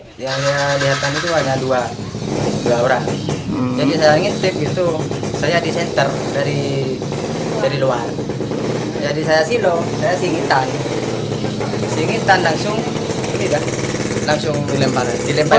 sehingga kita langsung ini dah langsung dilempar